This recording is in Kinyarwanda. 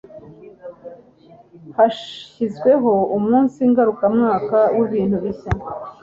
hashyizweho umunsi ngarukamwaka w'ibintu bishya